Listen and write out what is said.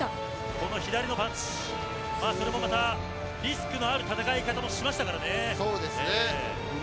それもまたリスクのある戦い方もしましたからね。